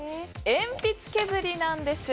鉛筆削りなんです！